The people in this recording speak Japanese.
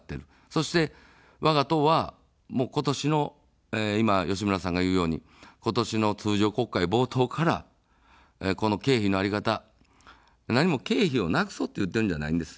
そして、わが党は今年の、いま吉村さんが言うように今年の通常国会冒頭からこの経費の在り方、何も経費をなくそうと言っているわけではないんです。